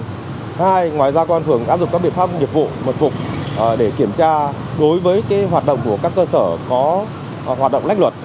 thứ hai ngoài ra công an phường áp dụng các biện pháp nghiệp vụ mật phục để kiểm tra đối với hoạt động của các cơ sở có hoạt động lách luật